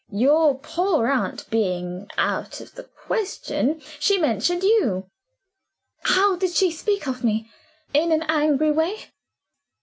Your poor aunt being out of the question she mentioned you." "How did she speak of me? In an angry way?"